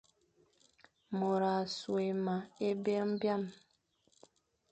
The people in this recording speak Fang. Môr a soghé me é byôm hyam,